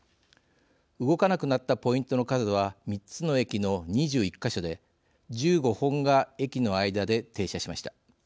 動かなくなったポイントの数は３つの駅の２１か所で１５本が駅の間で停車しました。